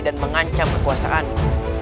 dan mengancam kekuasaanmu